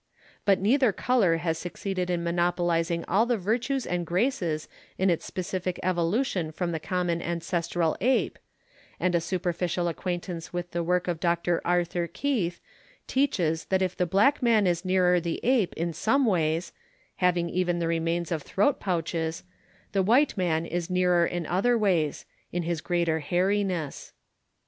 But neither colour has succeeded in monopolising all the virtues and graces in its specific evolution from the common ancestral ape, and a superficial acquaintance with the work of Dr. Arthur Keith teaches that if the black man is nearer the ape in some ways (having even the remains of throat pouches), the white man is nearer in other ways (as in his greater hairiness).